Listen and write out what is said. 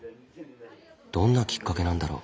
どんなきっかけなんだろう。